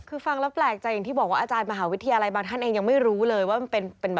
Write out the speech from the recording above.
คือฟังแล้วแปลกใจอย่างที่บอกว่าอาจารย์มหาวิทยาลัยบางท่านเองยังไม่รู้เลยว่ามันเป็นแบบ